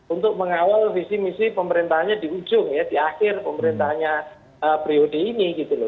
untuk mengawal visi misi pemerintahnya di ujung ya di akhir pemerintahnya priode ini gitu loh